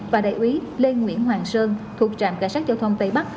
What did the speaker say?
và đại úy lê nguyễn hoàng sơn thuộc trạm cảnh sát giao thông tây bắc